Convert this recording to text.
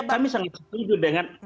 kami sangat setuju dengan